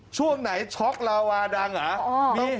ช่วงไหนช็อกลาวาดังเหรอ